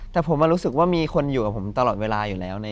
แต่ผมรู้สึกว่ามีคนอยู่ตลอดเวลาอยู่แหละ